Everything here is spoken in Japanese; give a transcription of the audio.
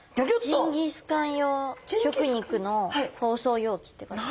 「ジンギスカン用食肉の包装容器」って書いてある。